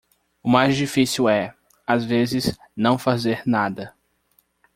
O mais difícil é, às vezes, não fazer nada.